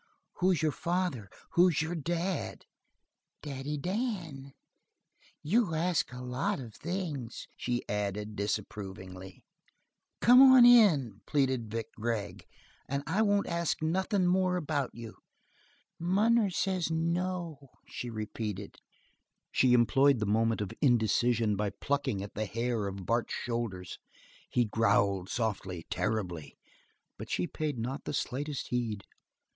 "Who's your father? Who's your dad?" "Daddy Dan. You ask a lot of things," she added, disapprovingly. "Come on in," pleaded Vic Gregg, "and I won't ask nothin' more about you." "Munner says no," she repeated. She employed the moment of indecision by plucking at the hair of Bart's shoulders; he growled softly, terribly, but she paid not the slightest heed.